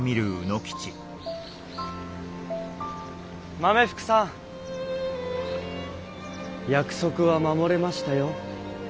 豆福さん約束は守れましたよ。